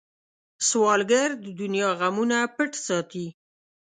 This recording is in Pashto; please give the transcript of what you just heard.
سوالګر د دنیا غمونه پټ ساتي